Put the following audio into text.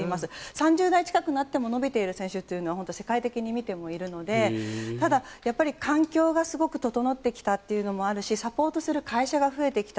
３０代近くになっても伸びている選手というのは本当に世界的に見ても、いるのでただ、環境がすごく整ってきたというのもあるしサポートする会社が増えてきた。